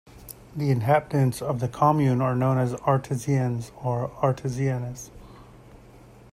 The inhabitants of the commune are known as "Artisiens" or "Artisiennes".